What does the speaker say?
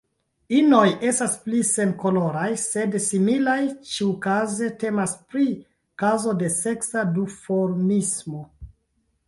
Inoj estas pli senkoloraj, sed similaj; ĉiukaze temas pri kazo de seksa duformismo.